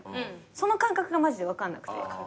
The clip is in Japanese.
その感覚がマジで分かんなくて。